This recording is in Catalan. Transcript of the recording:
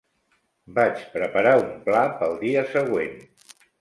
Vaig preparar un pla pel dia següent.